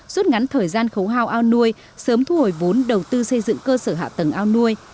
suốt ngắn thời gian khấu hao ao nuôi sớm thu hồi vốn đầu tư xây dựng cơ sở hạ tầng ao nuôi